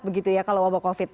begitu ya kalau wabah covid